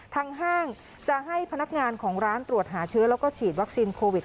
ห้างจะให้พนักงานของร้านตรวจหาเชื้อแล้วก็ฉีดวัคซีนโควิด